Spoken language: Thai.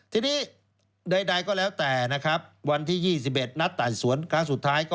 ทีนี้ใดก็แล้วแต่นะครับวันที่๒๑นัดไต่สวนครั้งสุดท้าย